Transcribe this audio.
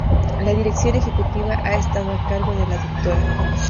La dirección ejecutiva ha estado a cargo de la Dra.